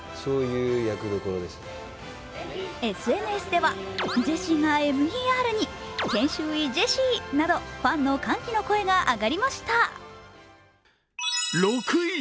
ＳＮＳでは、ジェシーが「ＭＥＲ」に研修医ジェシーなどファンの歓喜の声が上がりました。